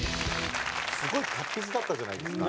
すごい達筆だったじゃないですか。